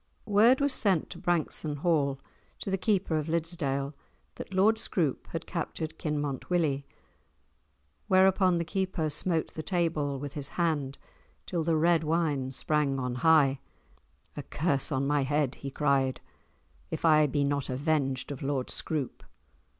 Word was sent to Branksome Hall to the Keeper of Liddesdale that Lord Scroope had captured Kinmont Willie, whereupon the Keeper smote the table with his hand till the red wine sprang on high, "A curse on my head," he cried, "if I be not avenged of Lord Scroope.